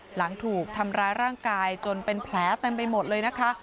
หลังถูกทำร้ายร่างกายจนเป็นแผลเต็มไปหมดเลยนะคะ